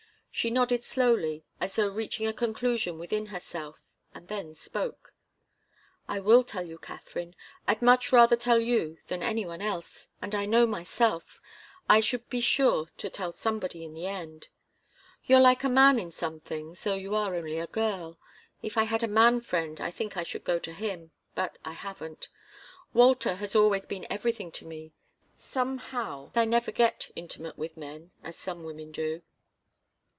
She nodded slowly, as though reaching a conclusion within herself, and then spoke. "I will tell you, Katharine. I'd much rather tell you than any one else, and I know myself I should be sure to tell somebody in the end. You're like a man in some things, though you are only a girl. If I had a man friend, I think I should go to him but I haven't. Walter has always been everything to me. Somehow I never get intimate with men, as some women do."